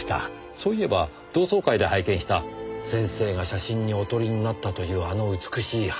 そういえば同窓会で拝見した先生が写真にお撮りになったというあの美しい花。